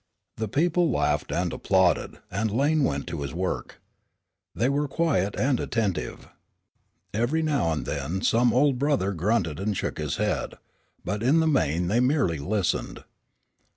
The people laughed and applauded, and Lane went to his work. They were quiet and attentive. Every now and then some old brother grunted and shook his head. But in the main they merely listened.